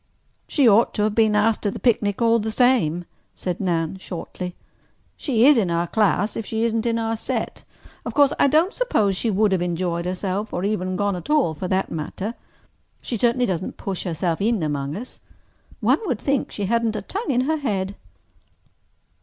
"She ought to have been asked to the picnic all the same," said Nan shortly. "She is in our class if she isn't in our set. Of course I don't suppose she would have enjoyed herself—or even gone at all, for that matter. She certainly doesn't push herself in among us. One would think she hadn't a tongue in her head."